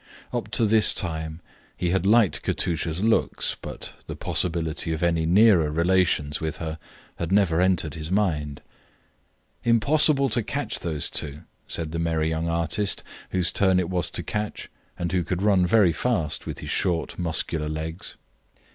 Up to this time he had liked Katusha's looks, but the possibility of any nearer relations with her had never entered his mind. "Impossible to catch those two," said the merry young artist, whose turn it was to catch, and who could run very fast with his short, muscular legs.